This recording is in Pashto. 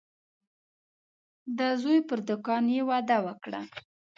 د زوی پر دوکان یې وعده وکړه.